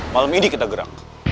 malem ini kita gerak